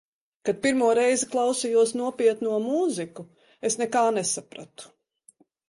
Kad pirmo reizi klausījos nopietno mūziku, es nekā nesapratu.